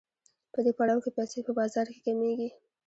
په دې پړاو کې پیسې په بازار کې کمېږي